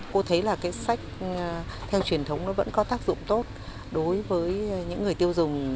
cô thấy là cái sách theo truyền thống nó vẫn có tác dụng tốt đối với những người tiêu dùng